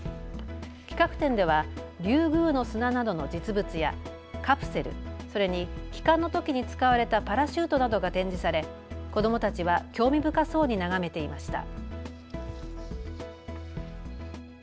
企画展ではリュウグウの砂などの実物やカプセル、それに帰還のときに使われたパラシュートなどが展示され子どもたちは興味深そうに眺めていました。